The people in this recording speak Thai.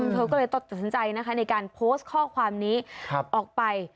เธอก็เลยตัดสินใจนะคะในการโพสต์ข้อความนี้ออกไป